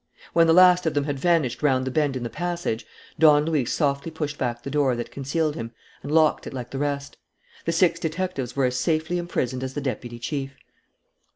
When the last of them had vanished round the bend in the passage, Don Luis softly pushed back the door that concealed him and locked it like the rest. The six detectives were as safely imprisoned as the deputy chief.